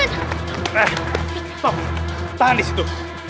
eh stop tahan disitu